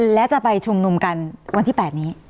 และจะไปชุมนุมกันวันที่๘นี้